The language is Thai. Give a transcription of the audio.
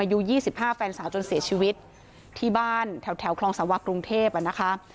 อายุ๒๕แฟนสาวจนเสียชีวิตที่บ้านแถวคลองสาวะกรุงเทพอ่ะนะคะ